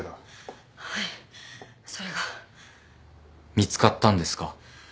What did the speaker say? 見つかったんですか？